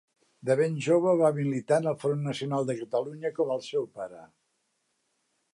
De ben jove va militar en el Front Nacional de Catalunya, com el seu pare.